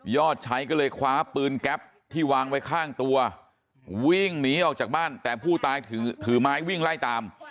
ชัยก็เลยคว้าปืนแก๊ปที่วางไว้ข้างตัววิ่งหนีออกจากบ้านแต่ผู้ตายถือไม้วิ่งไล่ตาม